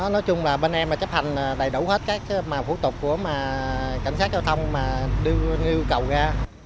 nói chung là bên em chấp hành đầy đủ các phủ tục của cảnh sát giao thông đưa yêu cầu ra